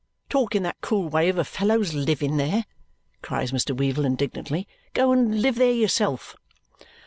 Talk in that cool way of a fellow's living there?" cries Mr. Weevle indignantly. "Go and live there yourself."